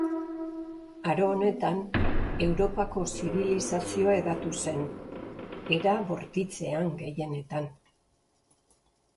Aro honetan Europako zibilizazioa hedatu zen, era bortitzean gehienetan.